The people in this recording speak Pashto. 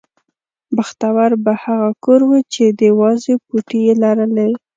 بختور به هغه کور و چې د وازې پوټې یې لرلې.